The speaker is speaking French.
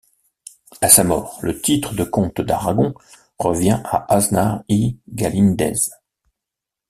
À sa mort, le titre de comte d'Aragon revient à Aznar I Galíndez.